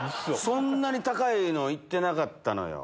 そんなに高いの行ってなかったのよ。